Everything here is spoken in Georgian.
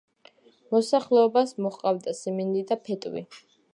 მოსახლეობას მოჰყავდა სიმინდი და ფეტვი.